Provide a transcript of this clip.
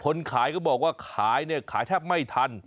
คนขายก็บอกว่าขายเนี่ยขายแทบไม่ทัน